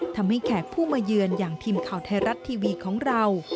แขกผู้มาเยือนอย่างทีมข่าวไทยรัฐทีวีของเรา